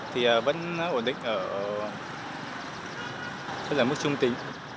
thì vẫn ổn định ở rất là mức trung tính